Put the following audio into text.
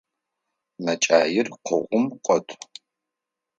Мэкӏаир къогъум къот.